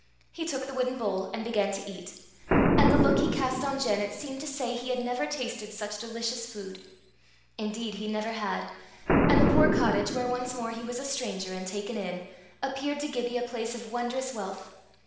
He took the wooden bowl, and began to eat; and the look he cast on Janet seemed to say he had never tasted such delicious food. Indeed he never had; and the poor cottage, where once more he was a stranger and taken in, appeared to Gibbie a place of wondrous wealth.